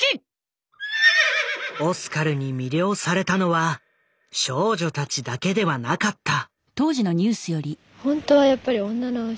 オスカルに魅了されたのは少女たちだけではなかった。